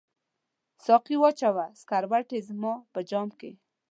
ساقي واچوه سکروټي زما په جام کې